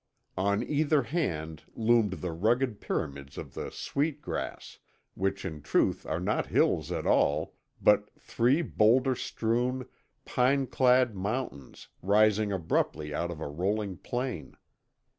On either hand loomed the rugged pyramids of the Sweet Grass—which in truth are not hills at all, but three boulder strewn, pine clad mountains rising abruptly out of a rolling plain.